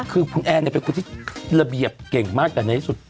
คือคุณแอนเป็นคนที่ระเบียบเก่งมากแต่ในที่สุด